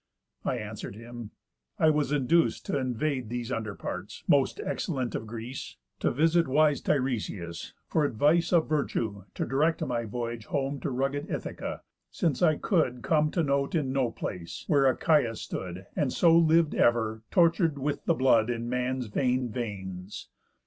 I answer'd him: 'I was induc'd t' invade These under parts, most excellent of Greece, To visit wise Tiresias, for advice Of virtue to direct my voyage home To rugged Ithaca; since I could come To note in no place, where Achaia stood, And so liv'd ever, tortur'd with the blood In man's vain veins.